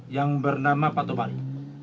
yang bernama pak tobari